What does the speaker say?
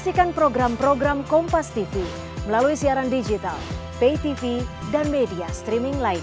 jalan panjang jalan panjang jalan panjang jalan panjang pendek lah